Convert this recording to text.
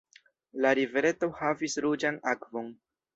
La rivereto havis ruĝan akvon.